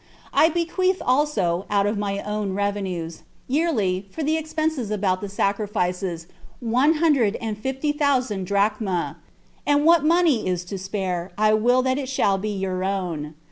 I bequeath also, out of my own revenues, yearly, for the expenses about the sacrifices, one hundred and fifty thousand [drachmae]; and what money is to spare, I will that it shall be your own.